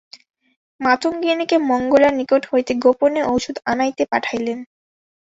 মাতঙ্গিনীকে মঙ্গলার নিকট হইতে গোপনে ঔষধ আনাইতে পাঠাইলেন।